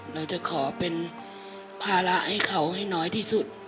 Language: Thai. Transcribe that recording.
เราจะขอเป็นภาระให้เขาให้น้อยที่สุด